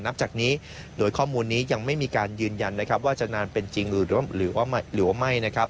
นับจากนี้โดยข้อมูลนี้ยังไม่มีการยืนยันว่าจะนานเป็นจริงหรือไม่